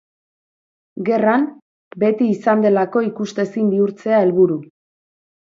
Gerran, beti izan delako ikustezin bihurtzea helburu.